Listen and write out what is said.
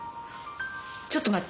ちょっと待って。